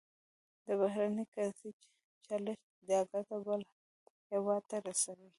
د بهرنۍ کرنسۍ چلښت دا ګټه بل هېواد ته رسوي.